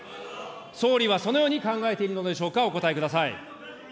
総理はそのように考えているのでしょうか、お答えください。